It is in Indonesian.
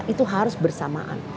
itu harus bersamaan